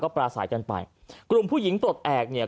ก็ปราศัยกันไปกลุ่มผู้หญิงตลอดแอกเนี่ย